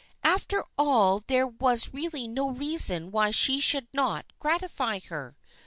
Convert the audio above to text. After all there was really no reason why she should not gratify her.